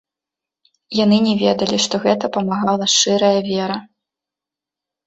Яны не ведалі, што гэта памагала шчырая вера.